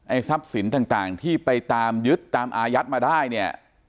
ทรัพย์สินต่างที่ไปตามยึดตามอายัดมาได้เนี่ย